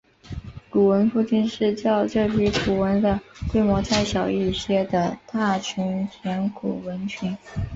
古坟附近是较这批古坟的规模再小一些的大野田古坟群。